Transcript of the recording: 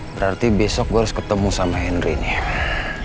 berarti besok gue harus ketemu sama henry nek